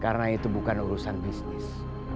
karena itu bukan urusan bisnis